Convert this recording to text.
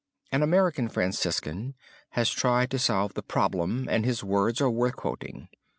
An American Franciscan has tried to solve the problem and his words are worth quoting.